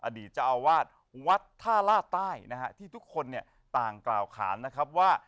อดีตเจ้าอาวาสวัดท่าลาดใต้นะฮะที่ทุกคนเนี่ยต่างกล่าวขานนะครับว่า